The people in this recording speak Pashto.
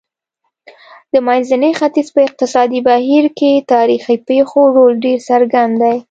د منځني ختیځ په اقتصادي بهیر کې تاریخي پېښو رول ډېر څرګند دی.